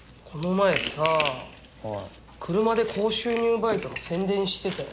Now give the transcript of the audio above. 車で高収入バイトの宣伝してたよ。